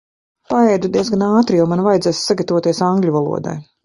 Paēdu diezgan ātri, jo man vajadzēs sagatavoties angļu valodai.